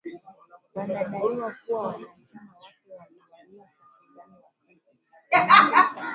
Walidai kuwa wanachama wake waliwauwa takribani wakristo ishirini